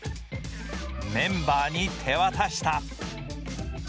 メンバーに手渡した。